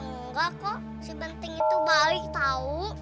enggak kok si banting itu balik tau